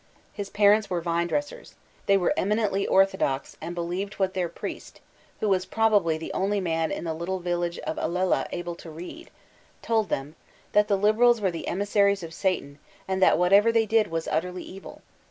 His parents were vine dressers; they were eminently orthodox and believed what their priest (who was probably the only man in the little vil lage of Alella able to read) told them : that the Liberals were the emissaries of Satan and that whatever they did was utterly evil.